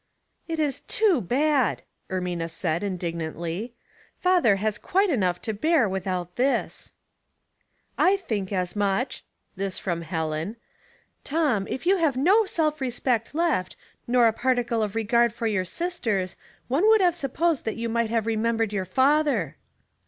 " It is too bad I " Ermina said, indignantly. " Father has quite enough to bear without this." "1 think as much!" This from Helen. ^^Tom, if you have no self respect left, nor a partiv\e of regard for your sisters, one would have supposed that you might have remembered your father.